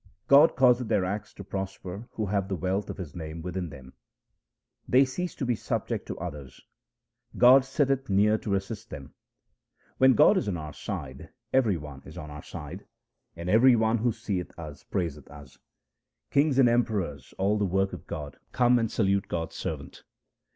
God causeth their acts to prosper who have the wealth of His name within them. They cease to be subject to others ; God sitteth near to assist them. When God is on our side, every one is on our side ; and every one who seeth us praiseth us. Kings and emperors, all the work of God, come and salute God's servant.